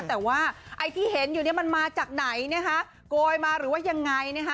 แต่ว่าไอที่เห็นอยู่มันมาจากไหนนะฮะกลอยมาหรือยังไงนะฮะ